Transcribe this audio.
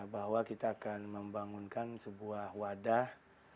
bahwa kita akan membangunkan sebuah wadah